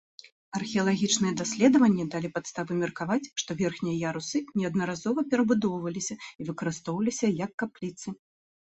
Археалагічныя даследаванні далі падставы меркаваць, што верхнія ярусы неаднаразова перабудоўваліся і выкарыстоўваліся як капліцы.